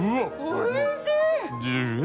おいしい！